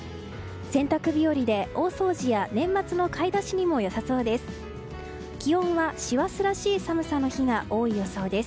洗濯日和で大掃除や年末の買い出しにも良さそうです。